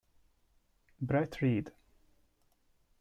Brett Reed